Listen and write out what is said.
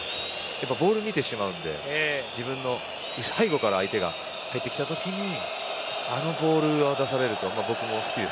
ボールを見てしまうので自分の背後から相手が入ってきた時あのボールを出されると。